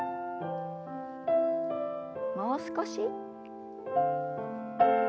もう少し。